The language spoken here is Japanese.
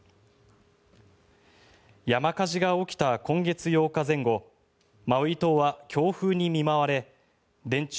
山火事が起きた今月８日前後マウイ島は強風に見舞われ電柱